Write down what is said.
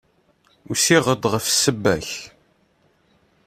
Usiɣ-d ɣef ssebba-k.